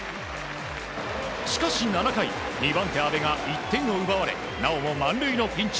しかし７回２番手、阿部が１点を奪われなおも満塁のピンチ。